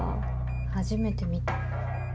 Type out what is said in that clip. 初めて見た。